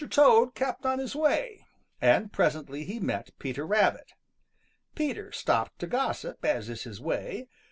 Toad kept on his way, and presently he met Peter Rabbit. Peter stopped to gossip, as is his way.